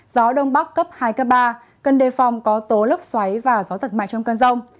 gió đông bắc cấp hai cấp ba cân đề phòng có tố lốc xoáy và gió giật mại trong cân rông